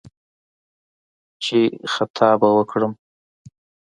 چې «خطا به وکړم»